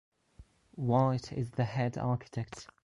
White is the head architect.